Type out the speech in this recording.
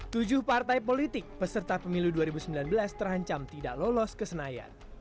tujuh partai politik peserta pemilu dua ribu sembilan belas terancam tidak lolos ke senayan